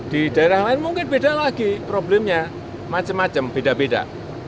di daerah lain mungkin beda lagi problemnya macam macam beda beda